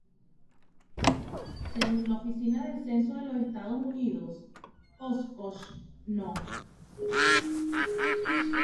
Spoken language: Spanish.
Según la Oficina del Censo de los Estados Unidos, Oshkosh No.